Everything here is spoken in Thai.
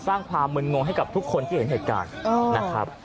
สร้างความมึนงงให้กับทุกคนที่เห็นเหตุการณ์นะครับ